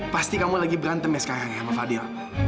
pasti kamu lagi berantem ya sekarang ya sama fadil